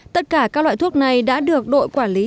tất cả các loại thuốc này đã được đội quản lý